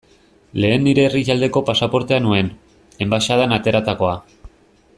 Lehen nire herrialdeko pasaportea nuen, enbaxadan ateratakoa.